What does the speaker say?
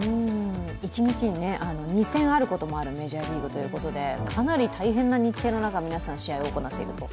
一日に２戦あることもあるということでかなり大変な日程の中、皆さん試合を行っているという。